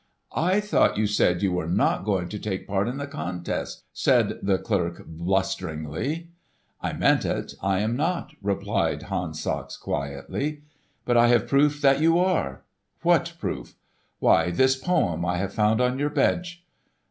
"I thought you said you were not going to take part in the contest," said the clerk blusteringly. "I meant it. I am not," replied Hans Sachs quietly. "But I have proof that you are." "What proof?" "Why, this poem I have found on your bench."